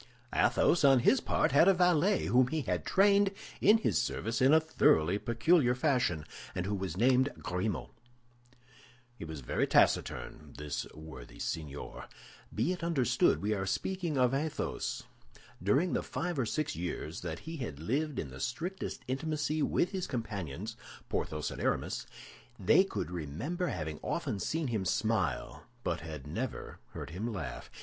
Athos, on his part, had a valet whom he had trained in his service in a thoroughly peculiar fashion, and who was named Grimaud. He was very taciturn, this worthy signor. Be it understood we are speaking of Athos. During the five or six years that he had lived in the strictest intimacy with his companions, Porthos and Aramis, they could remember having often seen him smile, but had never heard him laugh.